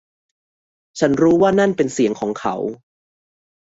ฉันรู้ว่านั่นเป็นเสียงของเขา